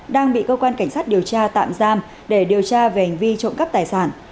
đang bị cơ quan cảnh sát điều tra tạm giam để điều tra về hành vi trộm cắp tài sản